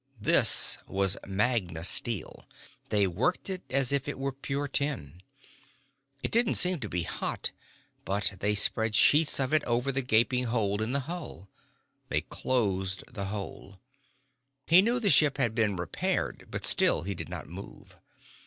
This was magna steel. They worked it as if it were pure tin. It didn't seem to be hot but they spread sheets of it over the gaping hole in the hull. They closed the hole. He knew the ship had been repaired but still he did not move.